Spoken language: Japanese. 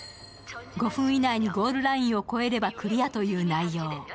５分以内にゴールラインを越えればクリアという内容。